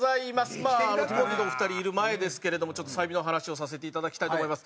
まあティモンディのお二人いる前ですけれどもちょっと済美の話をさせていただきたいと思います。